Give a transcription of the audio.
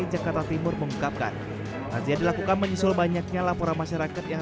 jekatatimun mengungkapkan razia dilakukan menyusul banyaknya laporan masyarakat yang